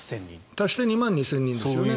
足して２万２０００人ですよね。